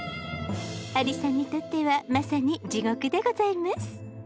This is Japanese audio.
アリさんにとってはまさに地獄でございます。